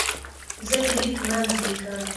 زه د لیک منځ لیکم.